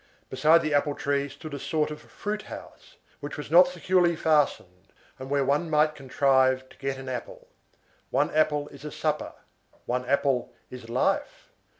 Beside the apple tree stood a sort of fruit house, which was not securely fastened, and where one might contrive to get an apple. One apple is a supper; one apple is life.